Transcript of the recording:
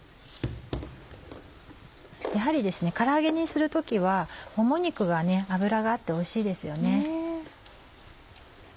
やはりから揚げにする時はもも肉が脂があっておいしいですよね。